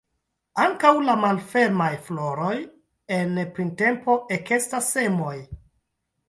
Ankaŭ la malfermaj floroj en printempo ekestas semoj.